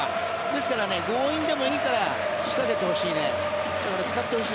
ですから、強引でもいいから仕掛けてほしいね。